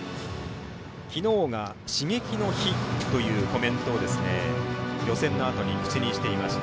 昨日が刺激の日というコメントを予選のあとに口にしていました。